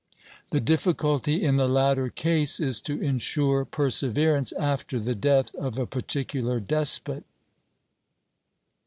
The difficulty in the latter case is to insure perseverance after the death of a particular despot.